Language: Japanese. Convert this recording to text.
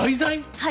はい。